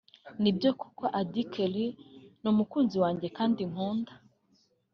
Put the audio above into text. Nibyo koko Auddy Kelly ni umukunzi wanjye kandi nkunda